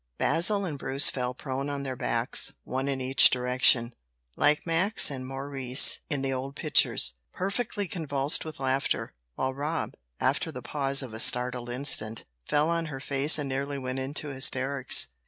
Basil and Bruce fell prone on their backs, one in each direction, like Max and Maurice in the old pictures, perfectly convulsed with laughter, while Rob, after the pause of a startled instant, fell on her face and nearly went into hysterics.